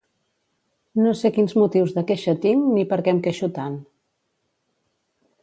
No sé quins motius de queixa tinc ni per què em queixo tant.